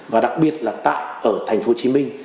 và đặc biệt là tại ở thành phố hồ chí minh